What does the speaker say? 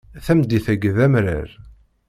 Tameddit-agi d amrar.